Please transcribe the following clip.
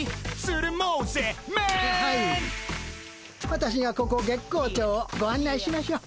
私がここ月光町をご案内しましょう。